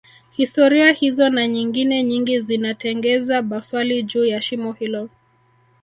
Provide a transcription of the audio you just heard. historia hizo na nyingine nyingi zinatengeza maswali juu ya shimo hilo